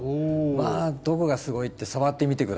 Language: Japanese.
まあどこがすごいって触ってみて下さい。